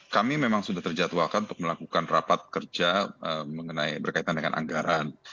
kami memang sudah terjadwalkan untuk melakukan rapat kerja berkaitan dengan anggaran